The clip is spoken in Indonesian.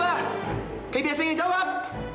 kayak biasanya jawab